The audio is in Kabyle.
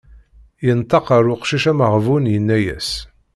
Yenṭeq ar uqcic ameɣbun yenna-as.